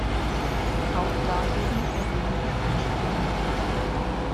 Auch dagegen erheben wir Einspruch.